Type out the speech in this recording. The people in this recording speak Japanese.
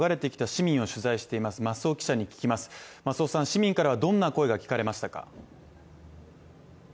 市民からはどんな声が聞かれましたか。